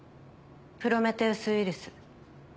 プロメテウス・ウイルス。